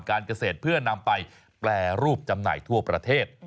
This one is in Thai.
การเกษตรเพื่อนำไปแปรรูปจำหน่ายทั่วประเทศ